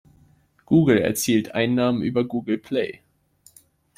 Google erzielt Einnahmen über Google Play.